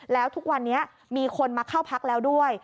แล้วทุกวันนี้มีคนมาเข้าพักแล้วด้วย